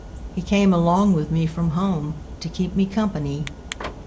He came along with me from home To keep me company.